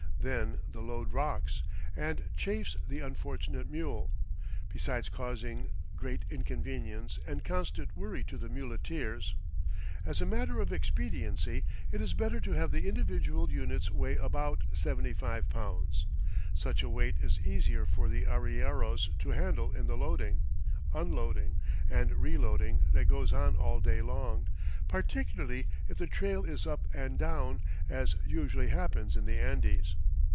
Then the load rocks, and chafes the unfortunate mule, besides causing great inconvenience and constant worry to the muleteers. As a matter of expediency it is better to have the individual units weigh about seventy five pounds. Such a weight is easier for the arrieros to handle in the loading, unloading, and reloading that goes on all day long, particularly if the trail is up and down, as usually happens in the Andes.